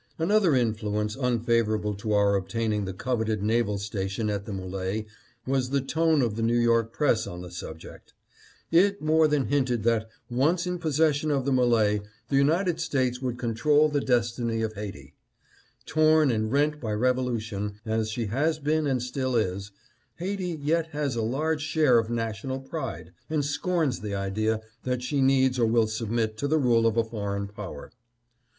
" Another influence unfavorable to our obtaining the coveted naval station at the M61e was the tone of the New York press on the subject. It more than hinted that, once in possession of the M61e, the United States REASONS FOR THE REFUSAL. 745 would control the destiny of Haiti. Torn and rent by revolution as she has been and still is, Haiti yet has a large share of national pride, and scorns the idea that she needs or will submit to the rule of a foreign power.